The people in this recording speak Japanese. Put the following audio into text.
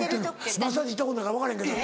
マッサージ行ったことないから分かれへんけど。